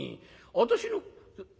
私の。